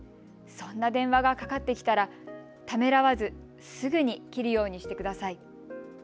そんな電話がかかってきたらためらわず、すぐに切るようにしてください。